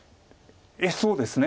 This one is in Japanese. ええそうですね。